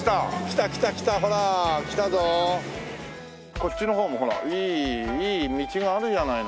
こっちの方もほらいい道があるじゃないの。